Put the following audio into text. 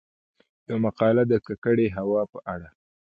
يومـقاله د کـکړې هـوا په اړه :